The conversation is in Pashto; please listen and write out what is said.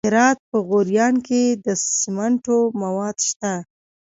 د هرات په غوریان کې د سمنټو مواد شته.